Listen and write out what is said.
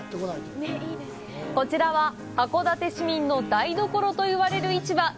こちらは函館市民の台所といわれる市場。